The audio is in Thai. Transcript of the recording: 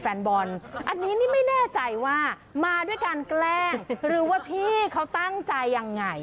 แฟนบอลอันนี้นี่ไม่แน่ใจว่ามาด้วยการแกล้งหรือว่าพี่เขาตั้งใจยังไง